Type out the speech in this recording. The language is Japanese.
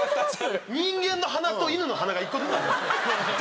人間の鼻と犬の鼻が１個ずつありますね。